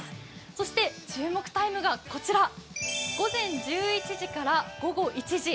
そして、注目タイムがこちら午前１１時から午後１時。